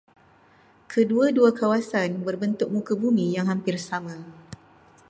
Kedua-dua kawasan berbentuk muka bumi yang hampir sama.